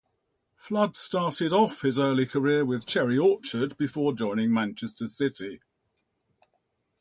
Flood started off his early career with Cherry Orchard before joining Manchester City.